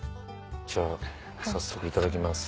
じゃあ早速いただきます。